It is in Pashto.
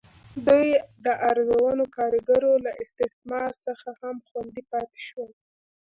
دوی د ارزانه کارګرو له استثمار څخه هم خوندي پاتې شول.